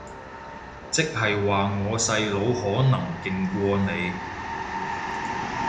即係話我細佬可能勁過你